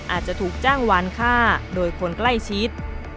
อาจจะถูกจ้างวานฆ่าโดยคนใกล้ชิด